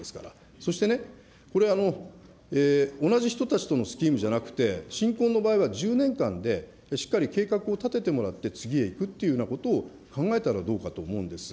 そしてね、これ、同じ人たちとのスキームじゃなくて、新婚の場合は、１０年間でしっかり計画を立ててもらって、次へいくっていうようなことを考えたらどうかと思うんです。